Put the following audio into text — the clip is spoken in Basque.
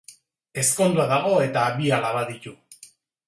Ezkondua dago, eta bi alaba ditu.